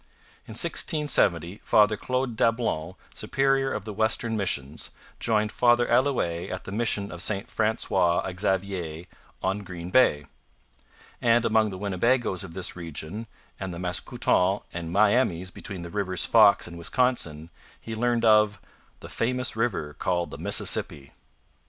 In 1670 Father Claude Dablon, superior of the western missions, joined Father Allouez at the mission of St Francois Xavier on Green Bay; and, among the Winnebagoes of this region and the Mascoutens and Miamis between the rivers Fox and Wisconsin, he learned of 'the famous river called the Mississippi.'